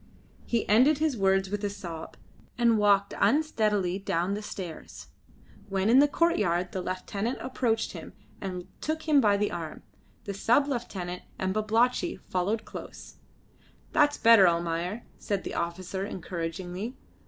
He ended his words with a sob, and walked unsteadily down the stairs. When in the courtyard the lieutenant approached him, and took him by the arm. The sub lieutenant and Babalatchi followed close. "That's better, Almayer," said the officer encouragingly.